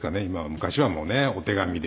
昔はもうねお手紙で。